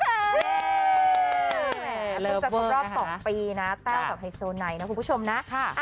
เต้ากับไฮโซนไนท์คุณผู้ชมนะ